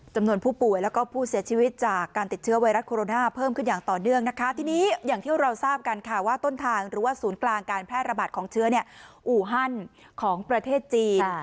จำนวนผู้ป่วยแล้วก็ผู้เสียชีวิตจากการติดเชื้อไวรัสโคโรนาเพิ่มขึ้นอย่างต่อเนื่องนะคะทีนี้อย่างที่เราทราบกันค่ะว่าต้นทางหรือว่าศูนย์กลางการแพร่ระบาดของเชื้อเนี่ยอูฮันของประเทศจีน